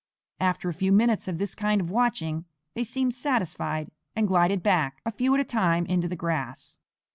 After a few minutes of this kind of watching they seemed satisfied, and glided back, a few at a time, into the grass.